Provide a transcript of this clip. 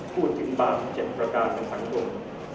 พูดถึงบางเจ็บประการในสังคม